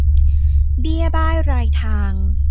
เบี้ยบ้ายรายทาง